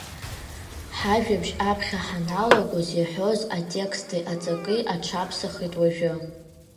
Ҳажәабжь аԥхьа ҳаналагоз иаҳәоз атексти аҵаки аҽаԥсахит уажәы.